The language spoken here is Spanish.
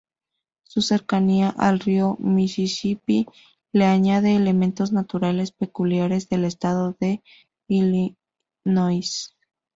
Su cercanía al río Misisipi le añade elementos naturales peculiares del estado de Illinois.